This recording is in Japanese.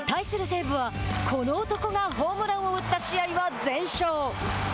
西武はこの男がホームランを打った試合は全勝。